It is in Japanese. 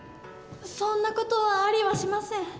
そんな事はありはしません。